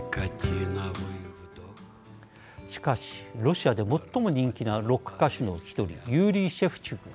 しかしロシアで最も人気なロック歌手の１人ユーリー・シェフチューク。